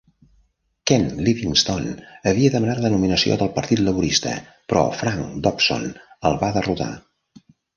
Ken Livingstone havia demanat la nominació del Partit Laborista, però Frank Dobson el va derrotar.